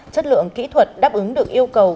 chất lượng kỹ thuật đáp ứng được yêu cầu